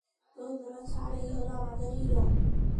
ধন্যবাদ স্যার এই হলো আমাদের হিরো।